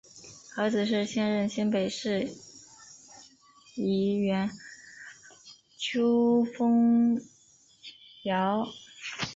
儿子是现任新北市议员邱烽尧。